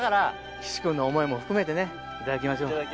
岸君の思いも含めてねいただきましょう。